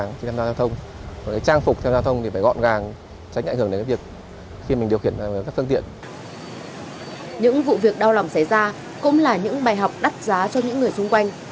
những vụ việc đau lòng xảy ra cũng là những bài học đắt giá cho những người xung quanh